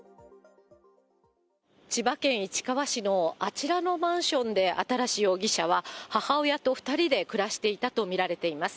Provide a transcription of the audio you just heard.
千葉県市川市のあちらのマンションで、新容疑者は母親と２人で暮らしていたと見られています。